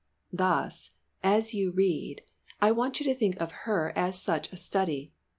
Thus, as you read, I want you to think of her as such a study.